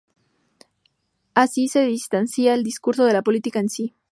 Así se distancia al discurso de la política en sí.